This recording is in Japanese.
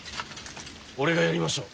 俺がやりましょう。